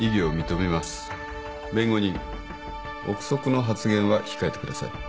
臆測の発言は控えてください。